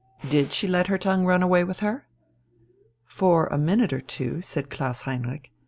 Did she let her tongue run away with her?" "For a minute or two," said Klaus Heinrich.